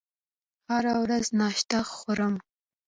هره ورځ ناشته خورم